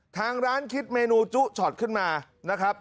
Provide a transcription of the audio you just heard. ทางร้านคิดเมนูจุช็อตขึ้นมานะครับ